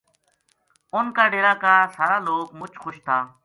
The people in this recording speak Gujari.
اُنھ کا ڈیرا کا سارا لوک مُچ خوش تھا